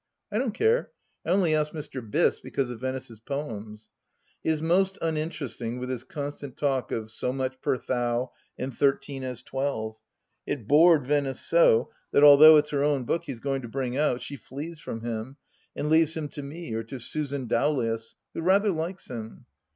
I don't care. I only asked Mr. Biss because of Venice's poems. He is most uninteresting with his constant talk of so much per thou and thirteen as twelve. It bored Venice so, that although it's her own book he's going to bring out, she flees from him, and leaves him to me or to Susan Dowlais, who rather likes him.